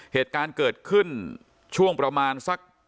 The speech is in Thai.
เหตุการณ์เกิดขึ้นช่วงประมาณสัก